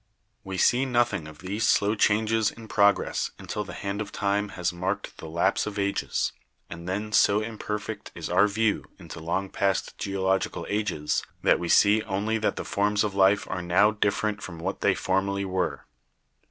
We see nothing of these slow changes in progress until the hand of time has marked the lapse of ages, and then so imperfect is our view into long past geological ages that we see only that the forms of life are now different from what they formerly were.